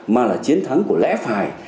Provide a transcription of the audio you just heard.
mà là chiến thắng của lẽ phải